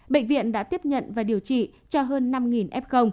bệnh viện đã tiếp nhận và điều trị cho hơn năm f